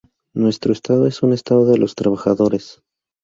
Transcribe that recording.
Nuestro Estado es un Estado de los trabajadores.